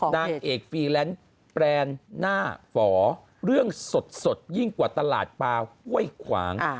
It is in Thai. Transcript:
นางเอกฟรีแลนซ์แปรนหน้าฝอเรื่องสดยิ่งกว่าตลาดปลาห้วยขวาง